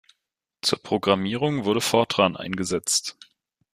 Zur Programmierung wurde Fortran eingesetzt.